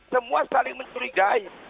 semua saling mencurigai